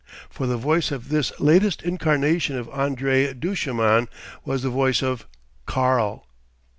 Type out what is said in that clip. For the voice of this latest incarnation of André Duchemin was the voice of "Karl."